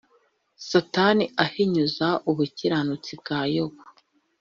Satani ahinyuza ubukiranutsi bwa Yobu